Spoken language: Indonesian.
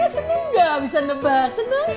seneng gak bisa nebak